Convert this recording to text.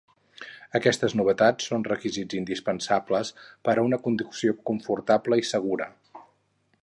Aquestes novetats són requisits indispensables per a una conducció confortable i segura.